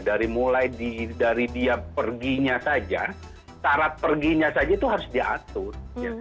dari mulai dari dia perginya saja syarat perginya saja itu harus diatur